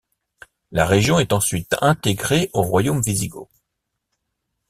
La région est ensuite intégrée au Royaume wisigoth.